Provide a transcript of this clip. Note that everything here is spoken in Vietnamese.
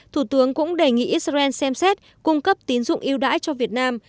thủ tướng cũng đề nghị israel xem xét cung cấp tín dụng yêu đãi cho việt nam